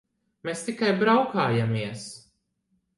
Mēs tikai braukājāmies.